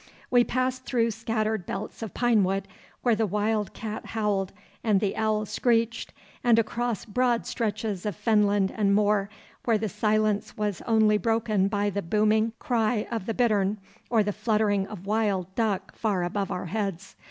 We passed through scattered belts of pinewood, where the wild cat howled and the owl screeched, and across broad stretches of fenland and moor, where the silence was only broken by the booming cry of the bittern or the fluttering of wild duck far above our heads.